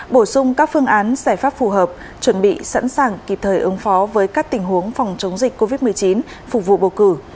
bổ sung các phương án giải pháp phù hợp chuẩn bị sẵn sàng kịp thời ứng phó với các tình huống phòng chống dịch covid một mươi chín phục vụ bầu cử